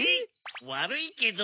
わるいけど。